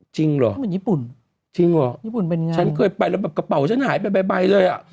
จริงเหรอจริงเหรอญี่ปุ่นเป็นยังไงฉันเคยไปแล้วแบบกระเป๋าฉันหายไปใบเลยอ่ะ